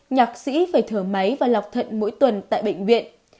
nhạc sĩ phải thở máy và lọc thận mỗi tuần tại bệnh viện